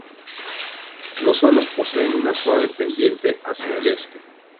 Los suelos poseen una suave pendiente hacia el este.